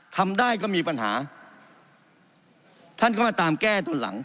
ทำได้ก็มีปัญหาท่านก็มาตามแก้จนหลัง